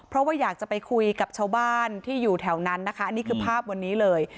เพราะว่าอยากจะไปคุยกับชาวบ้านที่อยู่แถวนั้นนะคะอันนี้คือภาพวันนี้เลย